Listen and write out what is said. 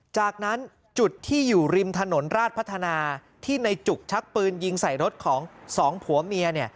จากนั้นจุดที่อยู่ริมถนนราชพัฒนาที่ในจุกชักปืนยิงใส่รถของสองผัวเมีย